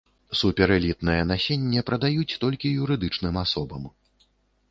Суперэлітнае насенне прадаюць толькі юрыдычным асобам.